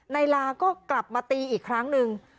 ลาก็กลับมาตีอีกครั้งหนึ่ง